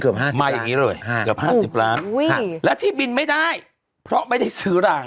บินเกือบ๕๐ล้างค่ะอ้าวและที่บินไม่ได้เพราะไม่สือราง